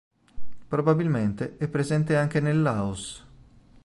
Probabilmente è presente anche nel Laos.